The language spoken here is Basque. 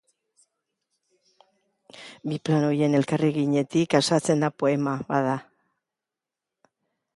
Bi plano horien elkarreraginetik osatzen da poema, bada.